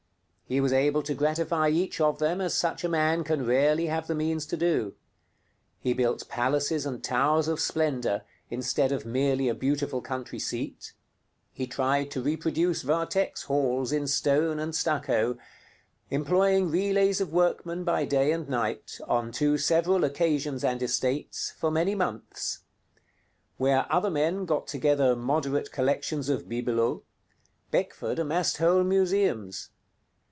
He was able to gratify each of them as such a man can rarely have the means to do. He built palaces and towers of splendor instead of merely a beautiful country seat. He tried to reproduce Vathek's halls in stone and stucco, employing relays of workmen by day and night, on two several occasions and estates, for many months. Where other men got together moderate collections of bibelots, Beckford amassed whole museums.